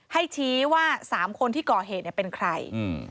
ให้ชี้ว่า๓คนที่ก่อเหตุเป็นใคร